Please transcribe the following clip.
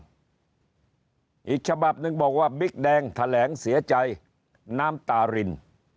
นึกฉบับนึงบอกว่ามิคแดงแถแหล้งเสียใจน้ำตาริน